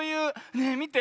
ねえみて。